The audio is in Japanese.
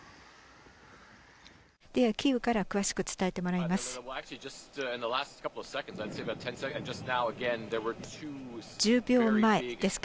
では、キーウから詳しく伝えてもらいます。